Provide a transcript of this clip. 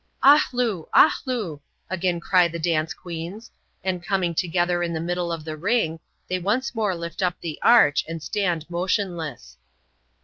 " Ahloo ! ahloo !" again cry the dance queens ; and, coming together in the middle of the ring, they once more lift up the arch, and stand motionless."